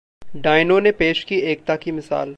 'डायनों' ने पेश की एकता की मिसाल